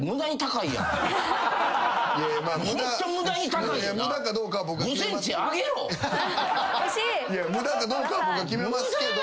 いや無駄かどうかは僕が決めますけど。